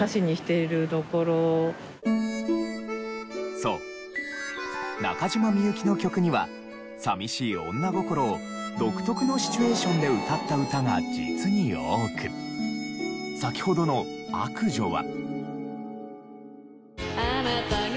そう中島みゆきの曲には寂しい女心を独特のシチュエーションで歌った歌が実に多く先ほどの『悪女』は。